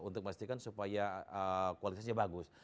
untuk memastikan supaya kualitasnya bagus